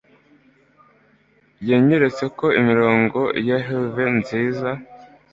Yanyeretse ko imirongo ya helve nziza